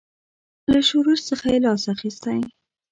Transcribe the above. له شورش څخه یې لاس اخیستی.